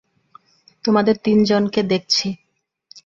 তোমাদের তিন জনকে দেখছি।